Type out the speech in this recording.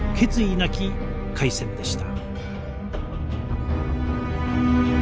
なき開戦でした。